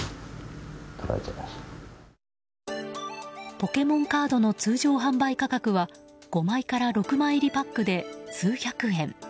ポケモンカードの通常販売価格は５６枚入りパックで数百円。